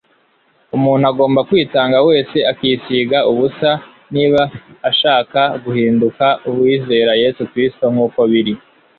Umuntu agomba kwitanga wese akisiga ubusa, niba ashaka guhinduka uwizera Yesu Kristo nk'uko biri.